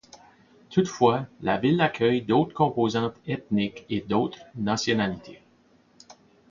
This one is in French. Toutefois la ville accueille d'autres composantes ethniques et d'autres nationalités.